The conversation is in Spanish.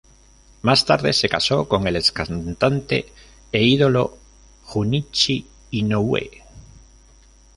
Más tarde se casó con el ex cantante e ídolo Junichi Inoue.